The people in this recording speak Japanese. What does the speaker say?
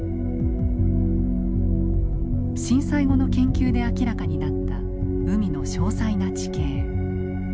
震災後の研究で明らかになった海の詳細な地形。